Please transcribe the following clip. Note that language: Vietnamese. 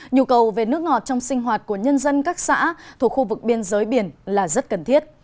nhu cầu về nước ngọt trong sinh hoạt của nhân dân các xã thuộc khu vực biên giới biển là rất cần thiết